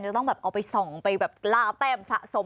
จะต้องแบบเอาไปส่องไปแบบล่าแต้มสะสม